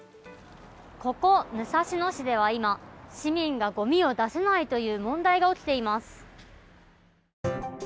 ここ、武蔵野市では今市民がごみを出せないという問題が起きています。